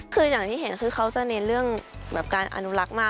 คืออย่างที่เห็นคือเขาจะเน้นเรื่องการอนุรักษ์มาก